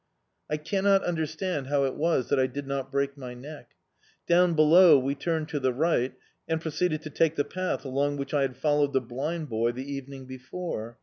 I cannot understand how it was that I did not break my neck. Down below we turned to the right and proceeded to take the path along which I had followed the blind boy the evening before.